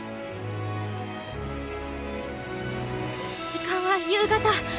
時間は夕方！